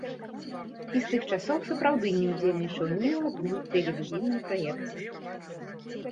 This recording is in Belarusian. І з тых часоў сапраўды не ўдзельнічаў ні ў адным тэлевізійным праекце.